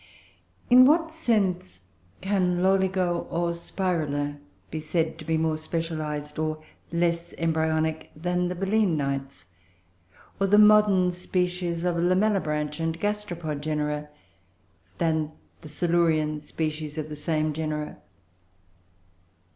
In what sense can Loligo or Spirula be said to be more specialised, or less embryonic, than Belemnites; or the modern species of Lamellibranch and Gasteropod genera, than the Silurian species of the same genera?